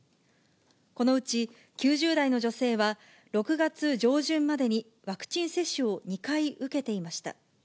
このうち９０代の女性は、６月上旬までにワクチン接種を２回受けていました。